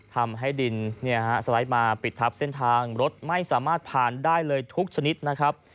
ทำให้ดินสไลด์มาปิดทับเส้นทางรถไม่สามารถผ่านได้เลยทุกชนิดนะครับ